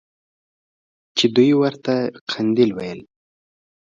چې دوى ورته قنديل ويل.